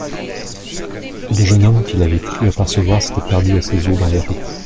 Le jeune homme qu'il avait cru apercevoir s'était perdu à ses yeux dans les rues.